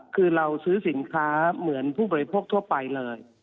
คือเราซื้อสินค้าเหมือนผู้บริโภคทั่วไปเลย